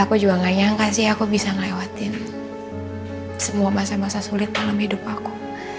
aku juga gak nyangka sih aku bisa ngelewatin semua masa masa sulit dalam hidup aku